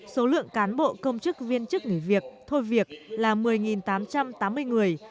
số lượng cán bộ công chức viên chức nghỉ việc thôi việc là một mươi tám trăm tám mươi người